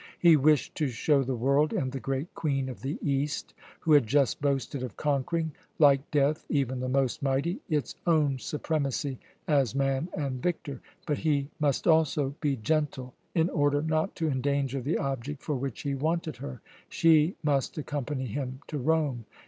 He wished to show the world and the Great Queen of the East, who had just boasted of conquering, like death, even the most mighty, its own supremacy as man and victor. But he must also be gentle, in order not to endanger the object for which he wanted her. She must accompany him to Rome.